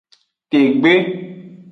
Tegbe.